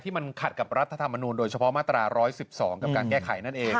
มันขัดกับรัฐธรรมนูลโดยเฉพาะมาตรา๑๑๒กับการแก้ไขนั่นเอง